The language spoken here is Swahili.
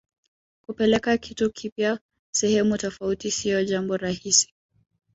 kupeleka kitu kipya sehemu tofauti siyo jambo rahisi